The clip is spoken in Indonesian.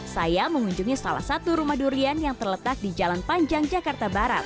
saya mengunjungi salah satu rumah durian yang terletak di jalan panjang jakarta barat